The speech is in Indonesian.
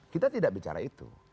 kita tidak bicara itu